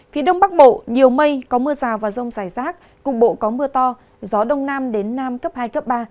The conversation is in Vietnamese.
phía đông bắc bộ nhiều mây có mưa rào và rông dài rác cục bộ có mưa to gió đông nam đến nam cấp hai cấp ba